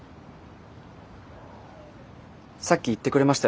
さっき言ってくれましたよね